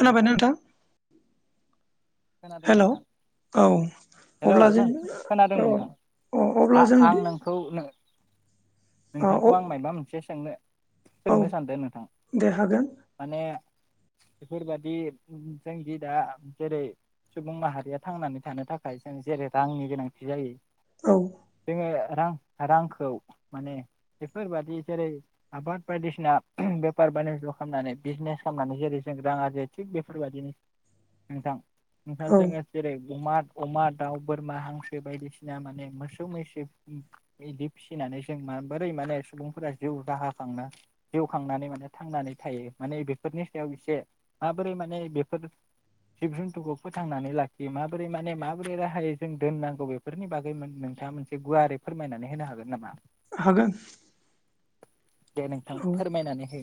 खोनाबायना नोंथां? खोनादों हेलौ नोंथां औ हेलौ अब्ला जों खोनादों औ नोंथां औ अब्ला जों आं नोंखौ औ नोंथांखौ आं मायबा मोनसे सोंनो। औ सोंनो सानदों नोंथां दे हागोन माने बेफोरबादि जोंदि दा जेरै सुबुं माहारिया थांनानै थानो थाखाय जों जेरै रांनि गोनांथि जायो। औ [unintelligible] रां-रांखौ माने बेफोरबादि जेरै आबाद बायदिसिना बेफार [unintelligible] खालामनानै बिजिनेस खालामनानै जेरै जों रां आरजियो थिग बेफोरबायदिनो नोंथां। नोंथां औ जोङो जेरै [unintelligible] अमा दाउ बोरमा हांसो बायदिसिना माने मोसौ मैसो [inaudible] इदि फिसिनानै। जों माबोरै माने सुबुंफोरा जिउ राहा खांनो जिउ खांनानै माने थांनानै थायो माने बेफोरनि सायाव एसे माबोरै माने बेफोर जिब जुन्थुखौ फोथांनानै लाखियो माबोरै माने माबोरै राहायै जों दोननांगौ बेफोरनि बागै [unintelligible] नोंथाङा मोनसे गुवारै फोरमायनानै होनो हागोन नामा। हागोन। दे नोंथां औ फोरमायनानै हो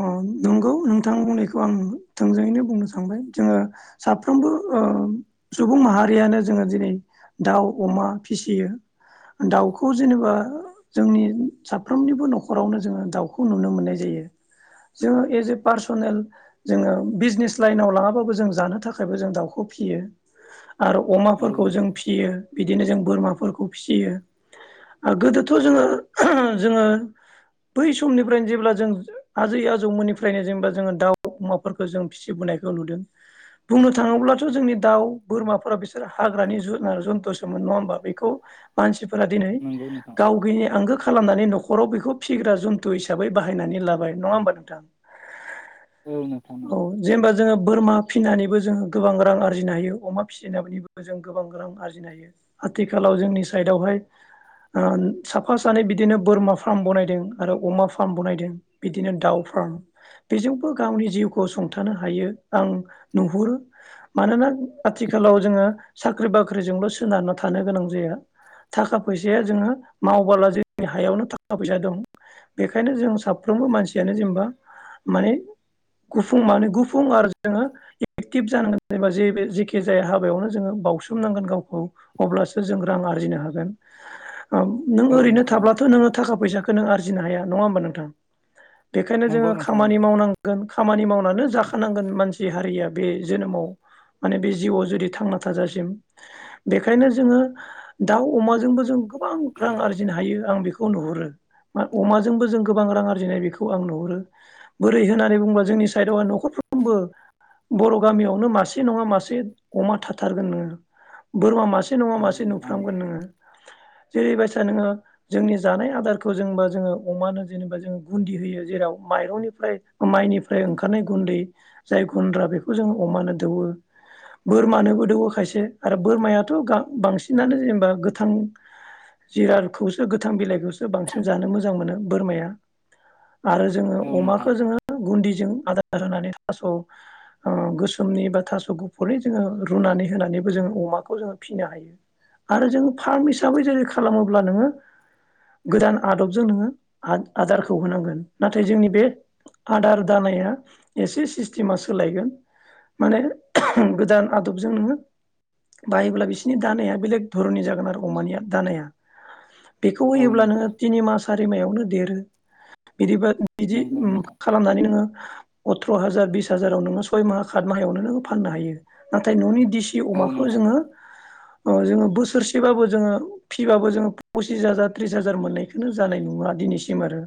अ नंगौ नोंथां बुंनायखौ आं। थोंजोङैनो बुंनो सानबाय जोङो साफ्रोमबो ओ सुबुं माहारियानो जोङो दिनै दाउ अमा फिसियो दाउखौ जेनेबा जोंनि साफ्रोमनिबो न'खरावनो जोंङो दाउखौ नुनो मोननाय जायो जोङो एस ए पार्सनेल जोङो बिजिनेस लाइनाव लाङाबाबो जों जानो थाखायबो जों दाउखौ फियो। आरो औ अमाफोरखौ जों नोंथां फियो बिदिनो जों बोरमाफोरखौ फियो आ गोदोथ' जोङो [unintelligible] जोङो बै समनिफ्रायनो जेब्ला जों आजै आजौमोननिफ्रायनो जेनेबा जोङो दाउ अमाफोरखो जों फिसिबोनायखौ नुदों बुंनो थाङोब्लाथ' जोंनि दाउ बोरमाफोरा बिसोर हाग्रानि जुनार जन्थुसोमोन नङा होमबा बेखौ मानसि फोरा दिनै नंगौ नोंथां गाव [unintelligible] आंगो खालामनानै न' हराव बेखौ फिग्रा जुन्थु हिसाबै बाहायनानै लाबाय नङा होमबा नोंथां। औ नोंथां औ जेनेबा जोङो बोरमा। फिनानैबो जोंङो गोबां रां आरजिनो हायो अमा फिसिनानैबो जों गोबां रां आरजिनो हायो आथिखालाव जोंनि साइदावहाय ओ साफा सानै बिदिनो बोरमा फार्म बनाय। दों आरो अमा फार्म बनायदों बिदिनो दाउ फार्म बेजोंबो गावनि जिउखौ सुंथानो हायो आं नुहुरो मानोना आथिखालाव जोङो साख्रि बाख्रिजोंल' सोनारना थानो गोनां जाया थाखा फैसाया जोङो मावबोला जोंनि हायावनो थाखा फैसा दं। बेखायनो जों साफ्रोमबो मानसियानो जेनेबा माने गुफुं माने गुफुं आरो जोङो एकटिभ जानांगोन जेनेबा जे जेखि जाया हाबायावनो जोङो बावउसोमनांगोन गावखौ अब्लासो जों रां आरजिनो हागोन। ओम नों औ ओरैनो नोंथां औ थाब्लाथ' नोङो थाखा फैसा। आरजिनो हाया नङा होमबा नोंथां। बेखायनो नंगौ जोङो नोंथां खामानि नंगौ मावनांगोन खामानि मावनानो जाखानांगोन मानसि हारिया। बे जोनोमाव माने बे जिउआव जुदि थांना थाजासिम बेखायनो जोङो दाउ अमाजोंबो जों गोबां रां आरजिनो हायो आं बेखौ नुहुरो। मा अमाजोंबो जों गोबां रां आरजिनाय बेखौ आं नुहरो बोरै होननानै बुङोबा जोंनि साइदआवहा न'खरफ्रोमबो बर' गामियावनो मासे नङा मासे अमा थाथारगोन नोङो बोरमा मासे मासे नङा नंगौ मासे नोंथां नुफ्रामगोन नोङो। जेरैबायसा नोङो जोंनि जानाय आदार खौ जेनेबा जोङो अमानो जेनेबा जों गुनदि होयो जेराव माइरंनिफ्राय माइनिफ्राय ओंखारनाय गुन्दै जाय गुन्द्रा बेखौ जों अमानो दौवो बोरमानोबो दौवो खायसे आरो बोरमायाथ' गां बांसिनानो जेनेबा गोथां जिरादखौसो गोथां बिलाइखोसो बांसिन जानो मोजां मोनो बोरमाया। आरो जोङो औ नोंथां अमाखो जोङो गुनदिजों आदार होनानै थास' ओ गोसोमनि बा थास' गुफुरनि जोङो रुनानै होनानैबो जोङो अमाखौ जोङो फिनो हायो आरो जोङो फार्म हिसाबै जोलै खालामोब्ला नोङो गोदान आदबजों नोङो आ आदारखौ होनांगोन नाथाय जोंनि बे आदार दानाया एसे सिस्टेमा सोलायगोन माने [unintelligible] गोदान आदबजों नोङो बायोब्ला बिसिनि दानाया बेलेग धरननि जागोन आरो अमानिया दानाया। बेखौ औ नोंथां होयोब्लानो मा सारिमायावनो देरो। [unintelligible] बिदिबा बिदि नंगौ उम नोंथां खालामनानै नोङो अथ्र' हाजार बिस हाजाराव नोङो सय माह खात माहयावनो नोङो फाननो हायो नाथाय न'नि देसि औ अमाखौ नोंथां जोङो अ जोङो बोसोरसेबाबो जोङो फिबाबो जोङो पसिस हाजार त्रिस हा जार मोननायखोनो जानाय नुवा दिनैसिम आरो।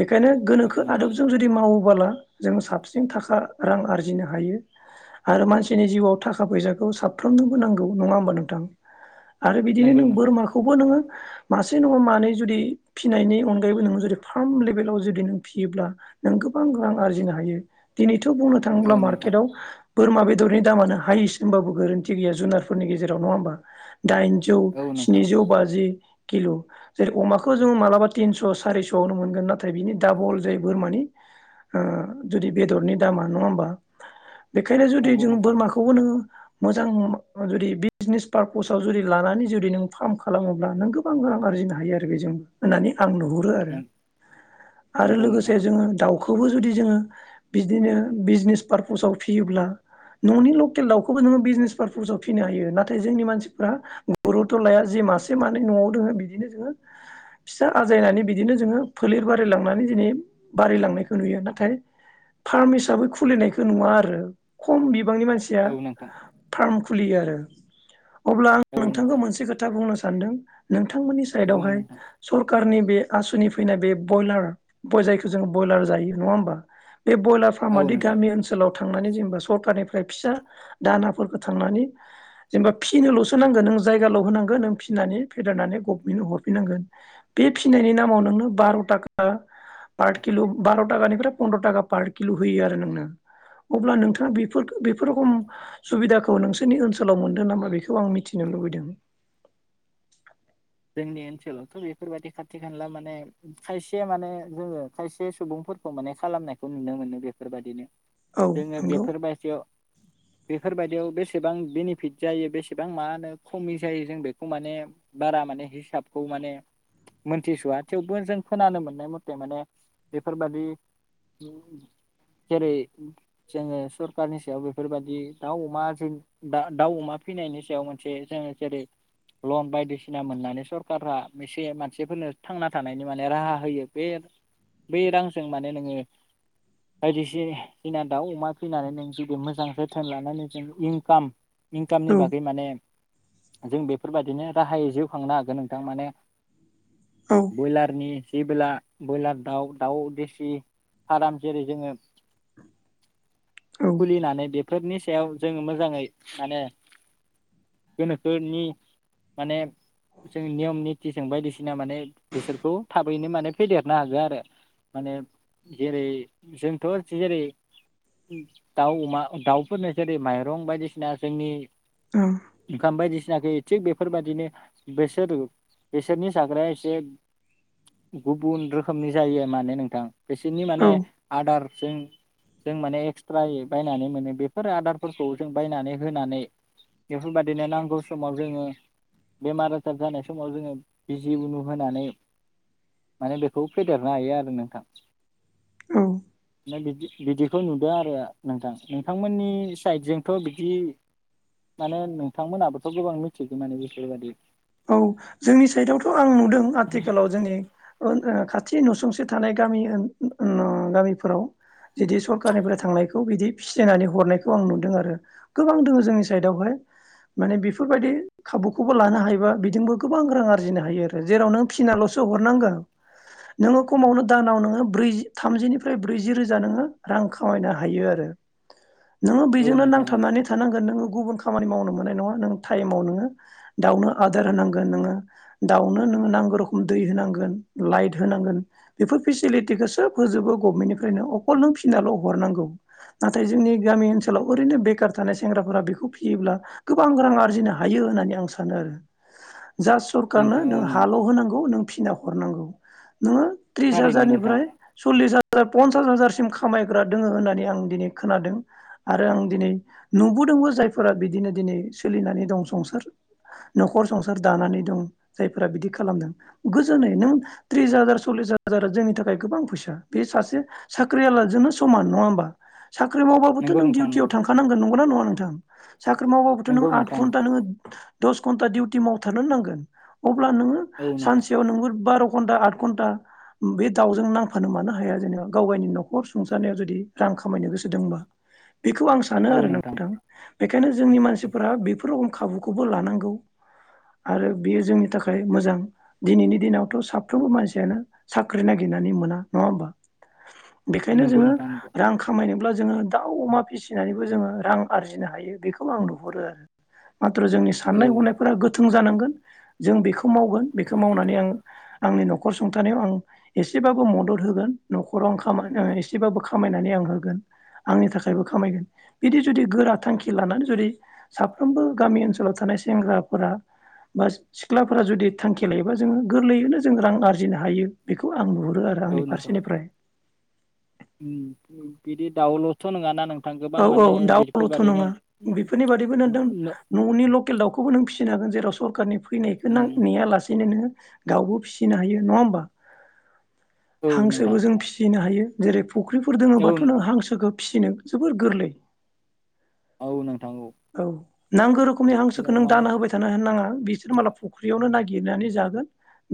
बेखायनो औ गोनोखो नोंथां आदबजों जुदि मावबाला जों साबसिन थाखा रां आरजिनो हायो आरो मानसिनि जिउआव थाखा फैसाखौ साफ्रोमनोबो नांगौ नङा होमबा नोंथां। आरो बिदिनो नंगौ नों नोंथां बोरमाखौबो नोङो मासे नङा मा नै जुदि फिसिनायनि अनगायैबो नोङो जुदि [unintelligible] जुदि नों फिसियोब्ला नों गोबां रां आरजिनो हायो दिनै थ' बुंनो थाङोब्ला औ नोंथां मार्केटआव बोरमा बेदरनि दामानो हायेस्ट होनबाबो गोरोन्थि गैया जुनारफोरनि गेजेराव नङा होमबा। दाइनजौ औ नोंथां स्निजौ बाजि किल' जेरै अमाखौ जोङो मालाबा तिनस' सारिस'आवनो मोनगोन नाथाय बिनि डाबल जायो बोरमानि आ जुदि बेदरनि दामा नङा होमबा। बेखायनो जुदि नंगौ जों नोंथां बोरमाखौबो नोङो मोजां जुदि बिजनेस पार्पसाव जुदि लानानै जुदि नों फार्म खालामोब्ला नों गोबां रां आरजिनो हा हायो आरो बेजों होननानै आं नुहुरो आरो नंगौ आरो नंगौ नोंथां लोगोसे जोङो दाउ खौबो जुदि जोङो बिदिनो बिजनेस पारपसाव फियोब्ला न'नि लकेल दाउखोबो नोङो बिजनेस पारपसाव फिनो हायो नाथाय जोंनि मानसिफ्रा गर'थ' लाया जे मासे मानै न'आव दोङो बिदिनो जोङो फिसा आजायनानै बिदिनो जोङो फोलेर बारायलांनानै दिनै बारायलांनायखौ नुयो नाथाय फार्म हिसाबै खुलिनायखो नुवा आरो खम बिब बिबांनि मानसिया औ नोंथां फार्म खुलियो आरो। अब्ला आं औ नोंथांखौ नोंथां मोनसे खोथा बुंनो स सानदों नोंथांमोन बुं सायेदावहाय नोंथां सरखारनि बे आसुनि फैनाय बे बयलार बय जायखौ जों बयलार जायो नङा होमबा। बे बयलार औ फार्माआदि नोंथां गामि ओनसोलाव थांनानै जेनेबा सखारनिफ्राय फिसा दानाफोरखो थांनानै जेनबा फिनोल'सो नांगो नों जायगाल' होनांगो नों फिसिनानै फेदेरनानै गफ मेन्टनो हरफिननांगो बे फिसिनायनि नामाव नोंनो बार' थाखा पार किल' बार' थाखानिफ्राय फन्द्र' थाखा पार किल' होयो आरो नोंनो अब्ला नोंथाङा बिफोरखो बिफोर सुबिदाखौ नोंसोरनि ओनसोलाव मोनदों नामा बेखौ आं मिथिनो लुबैदों। जोंनि ओनसोलावथ' बेफोरबादि खाथि खाला माने खायसे माने जोङो खायसे सुबुंफोरखौ माने खालामनायखौ नुनो मोनो बेफोरबादिनो औ जोङो नंगौ बेफोर बायसायाव बेफोरबादियाव बेसेबां बेनिफिट जायो बेसेबां मा होनो खमि जायो जों बेखौ माने बारा माने हिसाबखौ माने मोनथिसवा थेवबो जों खोनानो मोननाय मथे माने बेफोरबादि जेरै जोङो सरखारनि सायाव बेफोरबादि दाउ अमा जों दा दाउ अमा फिनायनि सायाव मोनसे जों जेरै लन बायदिसिना मोननानै सरकारा मोनसे मानसेफोरनो थांना थानायनि माने राहा होयो बे बै रांजों माने नोङो बायदिसिना दाउ अमा फिहिनानै नों जुदि मोजां जोथोन लानानै जों इनकाम इंकामनि औ बागै माने जों बेफोरबादिनो राहायै जिउ खांनो हा गोन नोंथां माने औ बयलारनि जेबोला बयलार दाउ दाउ देसि फार्म जेरै जोङो औ खुलिनानै बे फोरनि सायाव जों मोजाङै माने गोनोखोनि माने जों नियम नितिजों बायदिसिना माने बेसोरखौ थाबैनो माने फेदेरनो हागौ आरो माने जेरै जोंथ' जेरै दाउ अमा दाउफोरनो जेरै माइरं बायदिसिना जोंनि औ ओंखाम बायदिसि ना होयो थिग बेफोरबायदिनो बेसोर बेसोरनि जाग्राया एसे गुबुन रोखोमनि जायो माने नोंथां। बेसोरनि माने औ आदार जों जों माने एक्सट्रायै बायनानै मोनो बेफोर आदारफोरखौ जों बायनानै होनानै बेफोरबायदिनो नांगौ समाव जोङो बेमार जानाय समाव जोङो बिजि इरि होनानै माने बेखौ फेदेरनो हायो आरो नोंथां। औ। माने बिदि बिदिखौ नुदों आरो नोंथां। नोंथांमोननि साइडजोंथ' बिदि माने नोंथांमोनहाबोथ' गोबां मिथिगौ माने बेफोरबादि औ जोंनि साइदआवथ' आं नुदों आथिखालाव जोंनि ओं ओ खाथि नसुंसे थानाय गामि गामिफोराव जदि सरखारारनिफ्राय थांनायखौ बिदि फिनानै हरनायखौ आं नुदों आरो गोबां दङ जोंनि साइदआवहाय माने बेफोरबायदि खाबुखौबो लानो हायोबा बिजोंबो गोबां रां आरजिनो हायो आरो जेराव नों फिनाल'सो हरनांगोन नोङो खमावनो दानाव नोङो ब्रै थामजिनिफ्राय ब्रैजि रोजा नोङो रां खामायनो हायो आरो नोङो औ बेजोंनो नोंथां औ नांथाबनानै थानांगोन नोङो गुबुन खामानि मावनो मोननाय नङा नों टाइमाव नोङो दाउनो आदार होनांगोन नोङो दाउनो, नोङो नांगौ रोखोम दै होनांगोन, लाइट होनांगोन बेफोर फेसिलिटिखौ सब होजोबो गभमेन्टनिफ्रायनो अखल नों फिनाल' हरनांगौ नाथाय जोंनि गामि ओनसोलाव ओरैनो बेखार थानाय सेंग्राफोरा बेखौ फियोब्ला गोबां रां आरजिनो हायो होननानै आं सानो आरो जा सरखारनो नोंथां औ नों नंगौ हाल' होनांगौ नों फिना हरनांगौ। [inaudible] नोङो थ्रुस थारैनो नोंथां हाजारनिफ्राय सल्लिस हाजार फन्सास हाजार सिम खामायग्रा दोङो होननानै आं दिनै खोनादों आरो आं दिनै नुबोदोंबो जायफोरा बिदिनो दिनै सोलिनानै दं संसार नखर संसार दानानै दं जायफोरा बिदि खालामदों गोजोनै नों थ्रिस हाजार सल्लिस हाजारा जोंनि थाखाय गोबां फैसा बे सासे साख्रि आलाजोंनो समान नङा होमबा? साख्रि मावबाबोथ' नंगौ नों नोंथां दिउटियाव नंगौ थांखानांगोन नंगौ ना नङा नोंथां? साख्रि मावबाबोथ' नों नंगौ नोंथां आतघन्टा नों दस दिउटी मावथारनो नांगोन अब्ला नोंङो औ नोंथां सानसेयाव नोंङो बार' घन्टा आद घन्टा बे दावउजों नांफानो मानो हाया जेनेबा गाव गावनि नखर सुंसारनायाव जुदि रां खामायनो गोसो दंबा बेखौ आं सानो आरो नोंथां बेखायनो जोंनि मानसिफोरा बेफोर खाबुखौबो लानांगौ आरो बेयो जोंनि थाखाय मोजां दिनैनि दिनावथ साफ्रोमबो मानसियानो साख्रि नागिरनानै मोना नङा होमबा बेखायनो नंगौ जोङो नोंथां नंगौ रां खामायनो अब्ला जोङो दाउ अमा फिसिनानैबो जोङो रां आरजिनो हायो बेखौ आं नुहरो आरो माथ्र जोंनि औ साननाय हनाय गोथों जानांगोन जों बेखौ मावगोन बेखौ मावनानै आं आंनि नखर सुंथानायाव आं एसेबाबो मदद होगोन नखराव आं खाम एसेबाबो खामायनानै आं होगोन आंनि थाखायबो खामायगोन बिदि जुदि गोरा थांखि लानानै जुदि साफ्रोमबो गामि ओनसोलाव थानाय सेंग्रा फोर बा सिख्लाफोरा जुदि थांखि लायोबा जोङो गोरलैयैनो जों रां आरजिनो हायो बेखौ आं नुहरो आरो औ आंनि नोंथां फारसेनिफ्राय बिदि दाउलथ नङाना नोंथां गोबां औ औ माने दाउलथ बेफोरबादिनो नङा बेफोरनि बादिबो नों नों ननि लकेल दाउखौबो नों फिसिनो हागोन जेराव सरखारनि फैनायखौ नों नेयालासेनो नोङो दाउबो फिसिनो हायो नङा होमबा औ हांसोबो नोंथां जों फिसिनो हायो जेरै फुख्रिफोर औ दोङोबाथ नों हांसोखो फिसिनो जोबोर गोरलै औ नों औ नांगौ रोखोमनि हांसोखौ नों माने दाना होबाय थानो हाया होननाङा बिसोर मालाय फुख्रियावनो नागिरनानै जागोन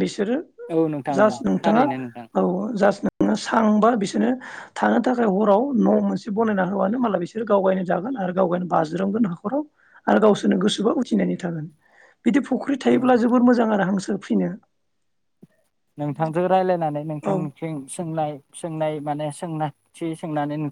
बिसोरो औ नोंथां औ जास्ट नोंथाङा थारैनो नोंथां औ जास्ट सांबा बिसोरनो थानो थाखाय हराव न' मोनसे बनायना होबानो माला बिसोरो गावगायनो जागोन आरो गावगायनो बाज्रुम ज्रावगोन हाखराव आरो गावसोरनो गोसोबआ उथिनानै थागोन बिदि फुख्रि थायोब्ला जोबबोर मोजां आरो हांसो जों फिनो नोंथांजों रायज्लायनानै औ नोंथांनिथिं सोंनाय सोंनाय माने सोंनाय थि सोंनानै नों